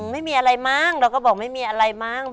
ไม่มีอะไรมั้งเราก็บอกไม่มีอะไรมั้ง